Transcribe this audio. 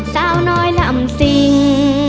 สาวน้อยลำซิง